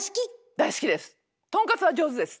大好きです。